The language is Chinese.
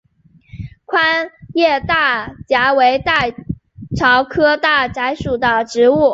宽叶大戟为大戟科大戟属的植物。